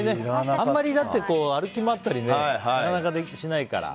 あまり歩き回ったりなかなかしないから。